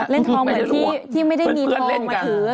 ทองเหมือนที่ไม่ได้มีทองมาถือ